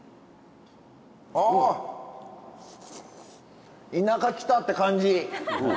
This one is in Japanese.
あ田舎来たって感じ！